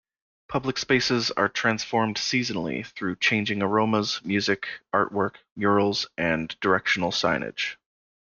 Public spaces are transformed seasonally through changing aromas, music, artwork, murals and directional signage.